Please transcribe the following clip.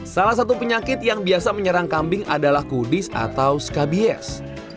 salah satu penyakit yang biasa menyerang kambing adalah kudis atau skabies